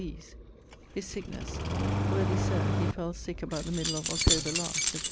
these.' (His sicknesse) 'Worthy sir he fell sick about the middle of October last,' etc.